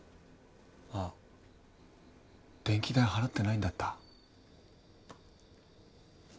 あ電気代払ってないんだった。